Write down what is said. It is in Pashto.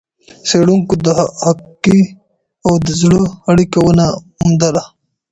څېړونکو د هګۍ او زړه اړیکه ونه موندله.